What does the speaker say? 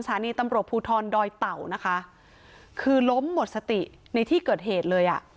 สถานีตำรวจภูทรดอยเต่านะคะคือล้มหมดสติในที่เกิดเหตุเลยอ่ะ